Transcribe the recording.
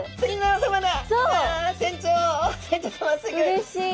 うれしい。